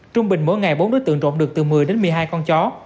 trung bình mỗi ngày bốn đối tượng trộm được từ một mươi đến một mươi hai con chó